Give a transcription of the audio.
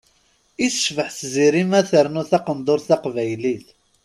I tecbeḥ Tiziri ma ternu taqendurt taqbaylit.